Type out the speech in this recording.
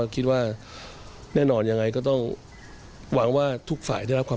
ครับ